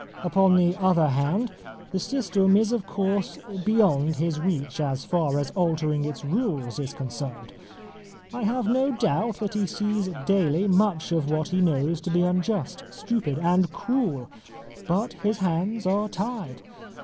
Upon the other hand, the system is of course beyond his reach as far as altering its rules is concerned. I have no doubt that he sees daily much of what he knows to be unjust, stupid, and cruel. But his hands are tied.